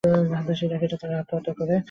হাতের শিরা কেটে তারা আত্মহত্যা করে।